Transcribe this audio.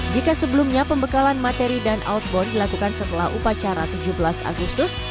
jika sebelumnya pembekalan materi dan outbound dilakukan setelah upacara tujuh belas agustus